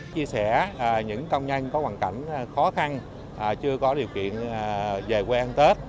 để những công nhân có hoàn cảnh khó khăn chưa có điều kiện về quê ăn tết